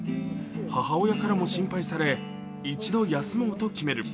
母親からも心配され一度休もうと決める。